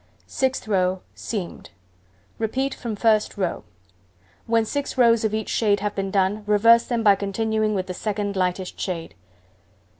Sixth row: Seamed. Repeat from 1st row. When 6 rows of each shade have been done, reverse them by continuing with the 2d lightest shade.